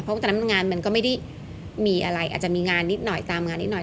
เพราะตอนนั้นงานมันก็ไม่ได้มีอะไรอาจจะมีงานนิดหน่อยตามงานนิดหน่อย